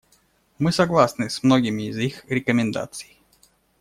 Мы согласны с многими из их рекомендаций.